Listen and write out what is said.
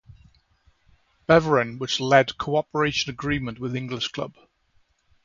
Beveren, which had co-operation agreement with English club.